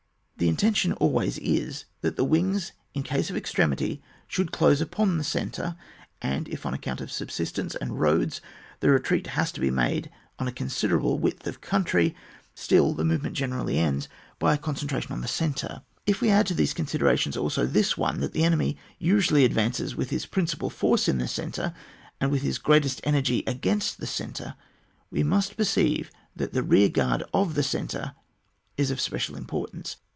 The intention always is, that the wings in case of extremity should clore upon the centre ; and if, on account of sub sistence and roads, the retreat has to be made on a considerable width (of country), still the movement generally ends by a concentration on the centre. If we add to these considerations also this one, that the enemy usually advances with his principal force in the centre and with the greatest energy against the centre, we must perceive that the rear guard of the centre is of special importance.